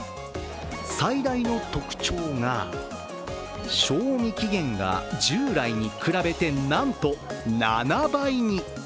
最大の特徴が賞味期限が従来に比べてなんと７倍に。